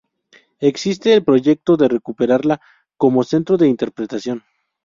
Existe el proyecto de recuperarla como centro de interpretación.